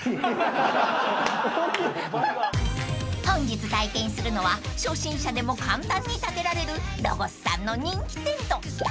［本日体験するのは初心者でも簡単に立てられるＬＯＧＯＳさんの人気テント］